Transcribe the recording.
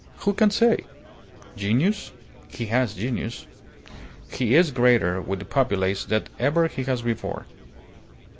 Who can say? Genius? He has genius. He is greater with the populace than ever he was before.